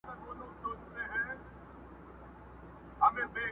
پر ښاخلو د ارغوان به، ګلان وي، او زه به نه یم!!